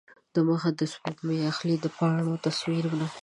دمخه د سپوږمۍ اخلي د پاڼو تصویرونه